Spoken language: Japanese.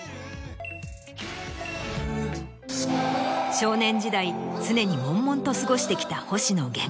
少年時代常にもんもんと過ごしてきた星野源。